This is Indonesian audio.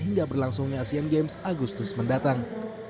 hingga berlangsungnya asian games agustus mendatang